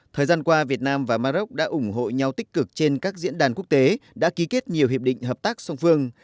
thời gian qua việt nam và maroc đã ủng hộ nhau tích cực trên các diễn đàn quốc tế đã ký kết nhiều hiệp định hợp tác song phương